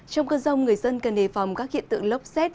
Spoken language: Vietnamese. trong cơn rông người dân cần đề phòng các hiện tượng lốc xét